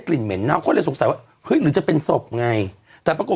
ลิ่นเหม็นเน่าเขาเลยสงสัยว่าเฮ้ยหรือจะเป็นศพไงแต่ปรากฏ